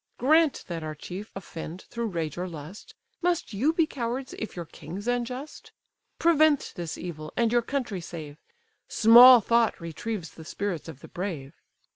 Grant that our chief offend through rage or lust, Must you be cowards, if your king's unjust? Prevent this evil, and your country save: Small thought retrieves the spirits of the brave.